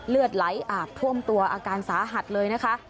เลือดไหลอาบท่วมตัวอาการสาหัสเลยนะคะ